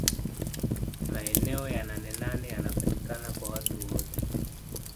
maeneo ya nanenane yanapatikana kwa watu wote